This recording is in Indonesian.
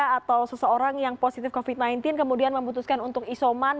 atau seseorang yang positif covid sembilan belas kemudian memutuskan untuk isoman